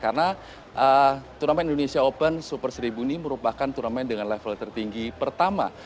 karena turnamen indonesia open super seribu ini merupakan turnamen dengan level tertinggi pertama